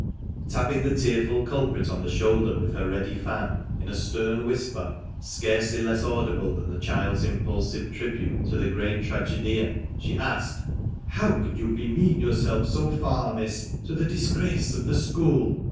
Tapping the tearful culprit on the shoulder with her ready fan, in a stern whisper, scarcely less audible than the child's impulsive tribute to the great tragedian, she asked, "How can you bemean yourself so far, miss, to the disgrace of the school?"